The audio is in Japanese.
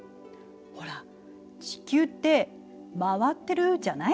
ほら地球って回ってるじゃない？